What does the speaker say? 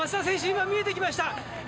今、見えてきました。